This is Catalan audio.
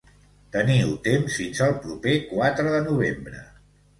Teniu temps fins al proper quatre de novembre.